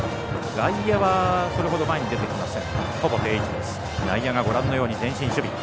外野はそれほど前に出てきません。